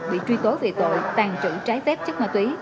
bị truy tố về tội tàng trữ trái phép chất ma túy